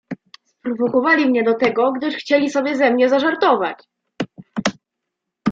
"Sprowokowali mnie do tego, gdyż chcieli sobie ze mnie zażartować!"